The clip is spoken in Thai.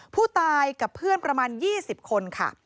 ผู้ตายกับเพื่อนประมาณ๒๐คนค่ะ